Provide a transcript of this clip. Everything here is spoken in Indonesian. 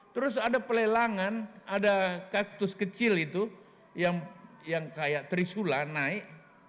terus ada pelelangan ada kaktus kecil itu yang kayak trisula naik